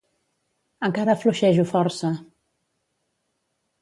Encara fluixejo força